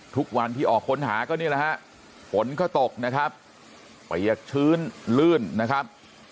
ทุกวันที่ออกค้นหาก็นี่แหละฮะฝนก็ตกนะครับเปียกชื้นลื่นนะครับ